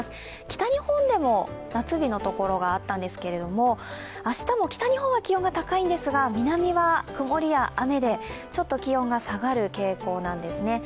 北日本でも夏日のところがあったんですけれども、明日も北日本は気温が高いんですが南は曇りや雨で、ちょっと気温が下がる傾向なんですね。